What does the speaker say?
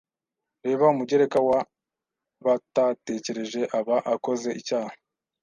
Reba Umugereka wa batatekereje aba akoze icyaha